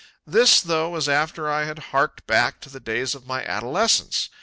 This, though, was after I had harked back to the days of my adolescence.